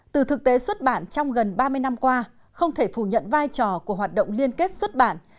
từ thực tế xuất bản trong gần ba mươi năm qua không thể phủ nhận vai trò của hoạt động liên kết xuất bản